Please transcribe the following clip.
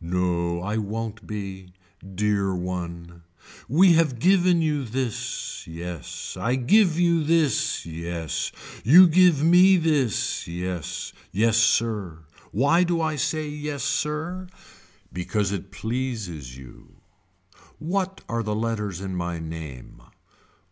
No I won't be. Dear one. We have given you this. Yes. I give you this. Yes. You give me this. Yes. Yes sir. Why do I say yes sir. Because it pleases you. What are the letters in my name.